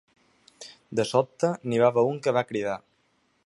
De sobte, n’hi va haver un que va cridar.